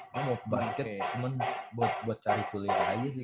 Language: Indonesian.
gua mau basket cuman buat cari kuliah aja sih